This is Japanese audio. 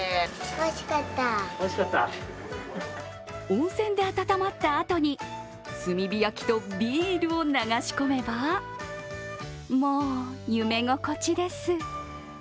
温泉で温まったあとに炭火焼きとビールを流し込めばもう夢心地です。